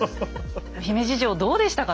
姫路城どうでしたか？